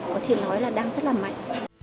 có thể nói là đang rất là mạnh